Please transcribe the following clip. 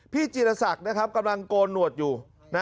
จีรศักดิ์กำลังโกนหนวดอยู่